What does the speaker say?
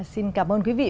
xin cảm ơn quý vị